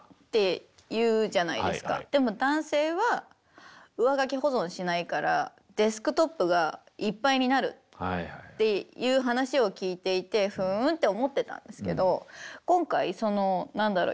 でも男性は上書き保存しないからデスクトップがいっぱいになるっていう話を聞いていてふんって思ってたんですけど今回その何だろう